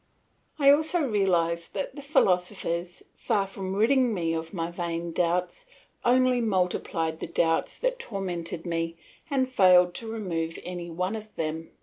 I also realised that the philosophers, far from ridding me of my vain doubts, only multiplied the doubts that tormented me and failed to remove any one of them.